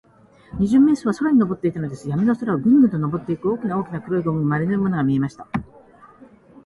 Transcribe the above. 二十面相は空にのぼっていたのです。やみの空を、ぐんぐんとのぼっていく、大きな大きな黒いゴムまりのようなものが見えました。